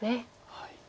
はい。